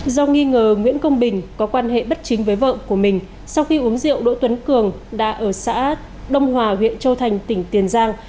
do nghi ngờ nguyễn công bình có quan hệ bất chính với vợ của mình sau khi uống rượu đỗ tuấn cường đã ở xã đông hòa huyện châu thành tỉnh tiền giang